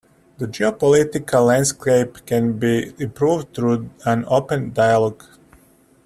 The geopolitical landscape can be improved through an open dialogue.